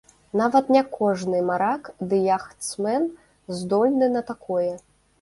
Нават не кожны марак ды яхтсмэн здольны на такое.